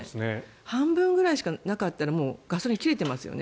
半分ぐらいしかなかったらもうガソリン切れてますよね。